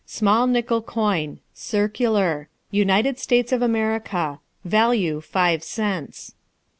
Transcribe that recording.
Small nickel coin. Circular. United States of America. Value five cents.